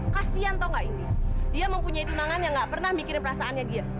kasian atau enggak ini dia mempunyai tunangan yang gak pernah mikirin perasaannya dia